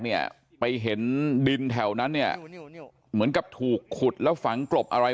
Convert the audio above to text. เนี่ยไปเห็นดินแถวนั้นเนี่ยเหมือนกับถูกขุดแล้วฝังกลบอะไร